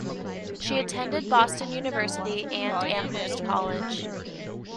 She attended Boston University and Amherst College.